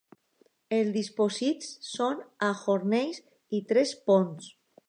Els dipòsits són a Hornsey i Tres Ponts.